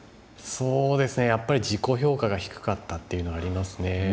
そうですねやっぱり自己評価が低かったっていうのはありますね。